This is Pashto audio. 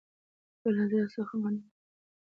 زه له زړه څخه مننه کوم